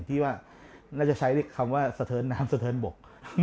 ที่ว่าน่าจะใช้คำว่าสะเทินน้ำสะเทินบก